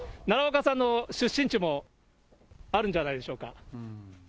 奈良岡さんの出身地もあるんじゃないでしょうか。